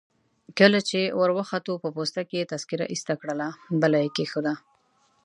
کله چي وروختو په پوسته کي يې تذکیره ایسته کړل، بله يي کښېښول.